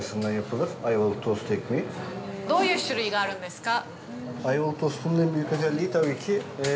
どういう種類があるんですか？